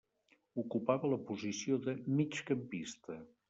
Ocupava la posició de migcampista.